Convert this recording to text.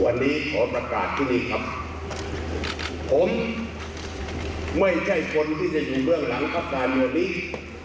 วันนี้ขอประกาศที่นี่ครับผมไม่ใช่คนที่จะอยู่เบื้องหลังพักการเมืองนี้